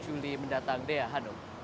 juli mendatang dea hanum